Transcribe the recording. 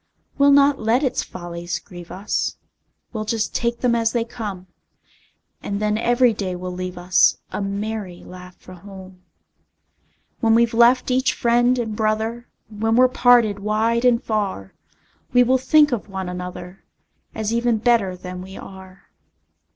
We'll not let its follies grieve us, We'll just take them as they come; And then every day will leave us A merry laugh for home. When we've left each friend and brother, When we're parted wide and far, We will think of one another, As even better than we are.